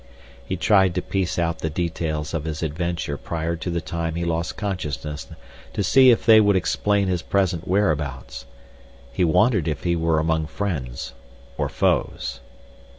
He tried to piece out the details of his adventure prior to the time he lost consciousness to see if they would explain his present whereabouts—he wondered if he were among friends or foes.